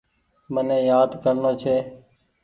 مني يآد ڪرڻو ڇي۔